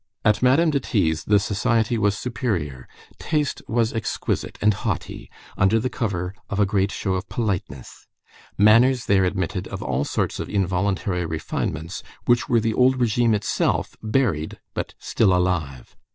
At Madame de T.'s the society was superior, taste was exquisite and haughty, under the cover of a great show of politeness. Manners there admitted of all sorts of involuntary refinements which were the old régime itself, buried but still alive.